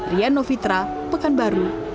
rian novitra pekanbaru riau